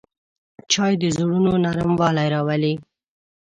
چای د زړونو نرموالی راولي